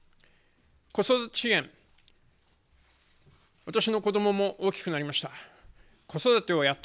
子育て支援、私の子どもも大きくなりました。